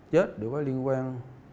chết đều có liên quan